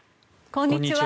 こんにちは。